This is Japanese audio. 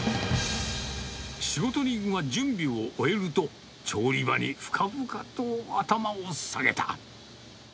仕事人は準備を終えると、調理場に深々と頭を下げた。